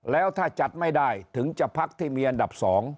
แล้วถ้าจัดไม่ได้ถึงจะพักที่มีอันดับ๒